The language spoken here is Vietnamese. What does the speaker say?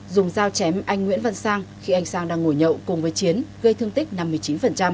dùng dao chém anh nguyễn văn sang khi anh sang đang ngồi nhậu cùng với chiến gây thương tích năm mươi chín